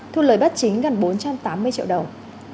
thu lời bắt chính gần bốn trăm tám mươi triệu đồng